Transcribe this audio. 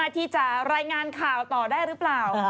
ที่จะรายงานข่าวต่อได้หรือเปล่า